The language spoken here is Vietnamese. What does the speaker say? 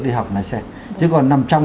đi học lái xe chứ còn nằm trong